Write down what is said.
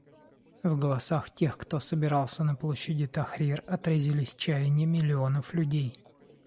В голосах тех, кто собирался на площади Тахрир, отразились чаяния миллионов людей.